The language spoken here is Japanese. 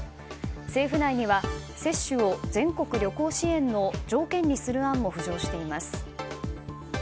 政府内には接種を全国旅行支援の条件にする案も浮上しています。